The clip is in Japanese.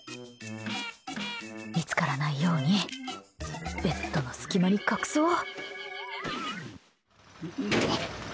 見つからないようにベッドの隙間に隠そう。